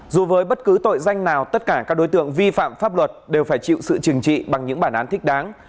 dù với bất cứ tội danh nào tất cả các đối tượng vi phạm pháp luật đều phải chịu sự trừng trị bằng những bản án thích đáng